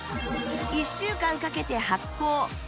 １週間かけて発酵